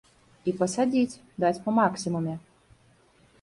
І пасадзіць, даць па максімуме.